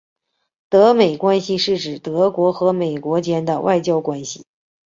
德美关系是指德国和美国间的外交关系。